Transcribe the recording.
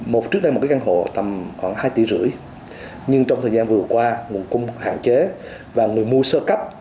một trước đây một cái căn hộ tầm khoảng hai tỷ rưỡi nhưng trong thời gian vừa qua nguồn cung hạn chế và người mua sơ cấp